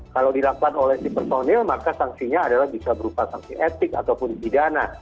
kalau dilakukan oleh si personil maka sanksinya adalah bisa berupa sanksi etik ataupun pidana